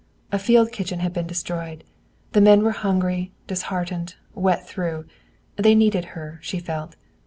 A field kitchen had been destroyed. The men were hungry, disheartened, wet through. They needed her, she felt.